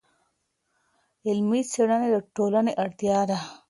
علمي څېړنې د ټولنې اړتیا ده.